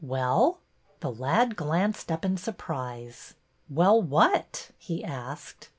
Well?" The lad glanced up in surprise. Well what?" he asked.